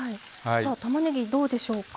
たまねぎどうでしょうか。